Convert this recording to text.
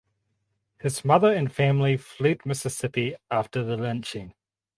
His mother and family fled Mississippi after the lynching.